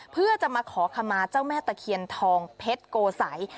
เพื่อจะมาขอขมาเจ้าแม่ตะเคียนทองเพชรโกสัย